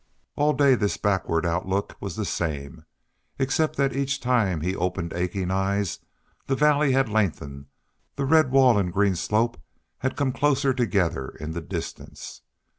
All day this backward outlook was the same, except that each time he opened aching eyes the valley had lengthened, the red wall and green slope had come closer together in the distance.